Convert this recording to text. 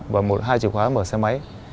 và hai chìa khóa mở xe máy